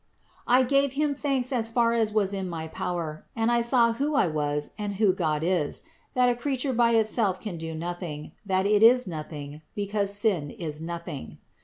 I gave Him thanks as far as was in my power ; and I saw, who I was and who Cod is; that a creature by itself can do nothing, that it 10 INTRODUCTION is nothing, because sin is nothing.